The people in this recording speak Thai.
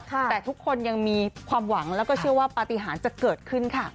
แต่ทุกคนยังมีความหวังแล้วก็เชื่อว่าปฏิหารจะเกิดขึ้นค่ะ